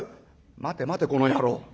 「待て待てこの野郎。